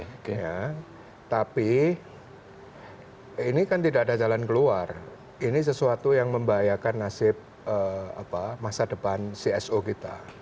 ya tapi ini kan tidak ada jalan keluar ini sesuatu yang membahayakan nasib masa depan cso kita